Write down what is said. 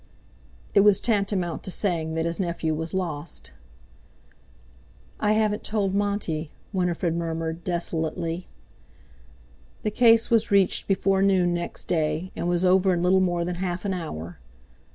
It was tantamount to saying that his nephew was lost. "I haven't told Monty," Winifred murmured desolately. The case was reached before noon next day, and was over in little more than half an hour.